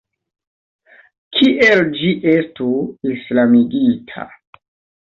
Kiel ĝi estu islamigita?